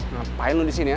ngapain lo disini ya